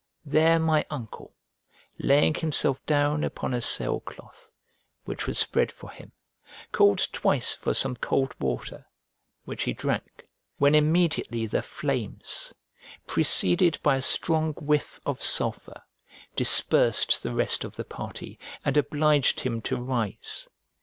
There my uncle, laying himself down upon a sail cloth, which was spread for him, called twice for some cold water, which he drank, when immediately the flames, preceded by a strong whiff of sulphur, dispersed the rest of the party, and obliged him to rise.